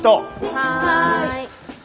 はい。